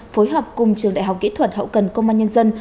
phối hợp cùng trường đại học kỹ thuật hậu cần công an nhân dân